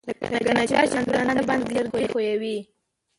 لکه نجار چې په رنده باندى لرګى ښويوي.